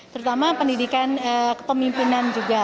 terutama pendidikan kepemimpinan juga